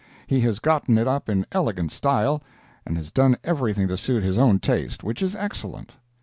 He has gotten it up in elegant style, and has done everything to suit his own taste, which is excellent.